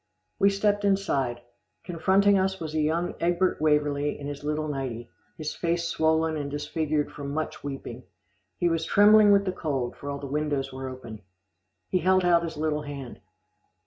We stepped inside. Confronting us was young Egbert Waverlee in his little nightie, his face swollen and disfigured from much weeping. He was trembling with the cold, for all the windows were open. He held out his little hand.